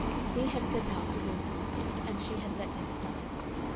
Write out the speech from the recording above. He had set out to win her, and she had let him start.